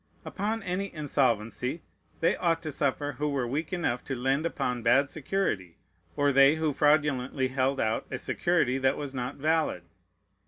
Upon any insolvency, they ought to suffer who were weak enough to lend upon bad security, or they who fraudulently held out a security that was not valid.